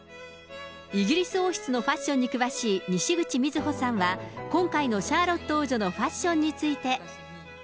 イギリス王室のファッションに詳しいにしぐち瑞穂さんは、今回のシャーロットの王女のファッションについて。